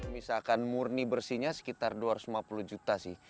misalkan murni bersihnya sekitar dua ratus lima puluh juta sih